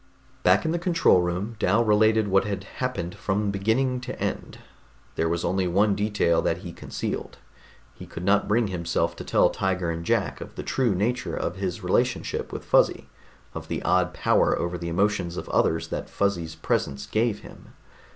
Back in the control room Dal related what had happened from beginning to end. There was only one detail that he concealed. He could not bring himself to tell Tiger and Jack of the true nature of his relationship with Fuzzy, of the odd power over the emotions of others that Fuzzy's presence gave him.